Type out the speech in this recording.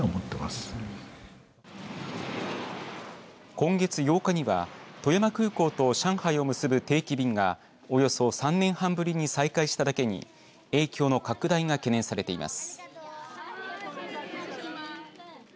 今月８日には富山空港と上海を結ぶ定期便がおよそ３年半ぶりに再開しただけに影響の拡大が懸念されています。